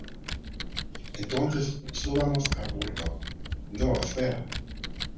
Entonces, subamos a bordo. ¡ no , espera!